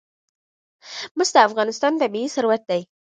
مس د افغانستان طبعي ثروت دی.